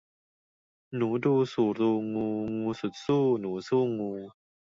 ดูหนูสู่รูงู งูสุดสู้หนูสู้งู